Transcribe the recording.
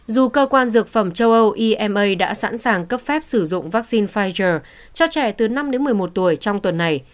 dù cơ quan dược phẩm châu âu ema đã sẵn sàng cấp phép sử dụng vaccine pfizer cho trẻ từ năm đến một mươi một tuổi trong tuần này